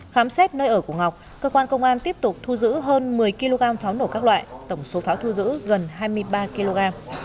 khám xét nơi ở của ngọc công an tp thái nguyên tiếp tục thu giữ hơn một mươi kg pháo nổ các loại tổng số pháo thu giữ gần hai mươi ba kg